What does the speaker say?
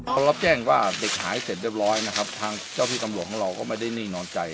เมื่อเด็กหายเสร็จเรียบร้อยนะครับทางเจ้าที่กำลัวกันเราก็ไม่ได้นี่นอนใจ